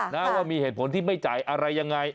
ค่ะค่ะน่าว่ามีเหตุผลที่ไม่จ่ายอะไรยังไง